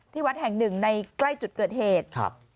ที่วัดแห่ง๑ในใกล้จุดเกิดเหตุ